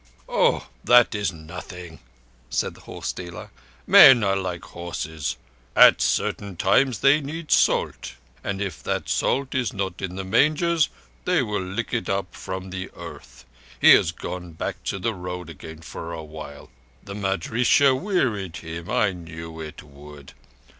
"Oh, that is nothing," said the horse dealer. "Men are like horses. At certain times they need salt, and if that salt is not in the mangers they will lick it up from the earth. He has gone back to the Road again for a while. The madrissah wearied him. I knew it would.